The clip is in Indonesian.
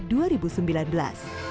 tiga dua satu